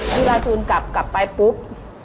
พี่ราจูลกลับกลับไปปุ๊บ